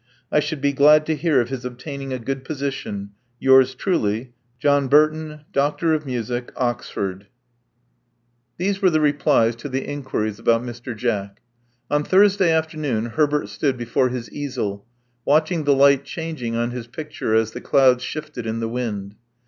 I should be glad to hear of his obtaining a good position. Yours truly, John Burton, Mus. Doc, O35, 15 1 6 Love Among the Artists These were the replies to the inqtiiries about Mr. Jack. On Thursday afternoon Herbert stood before his easel, watching the light changing on his picture as the clouds shifted in the wind.